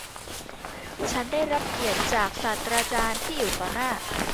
ฉันได้รับเกียรติจากศาสตราจารย์ที่อยู่ต่อหน้า